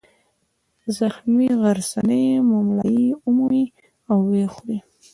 زخمي غرڅنۍ مُملایي ومومي او ویې خوري.